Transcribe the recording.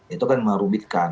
itu kan merubitkan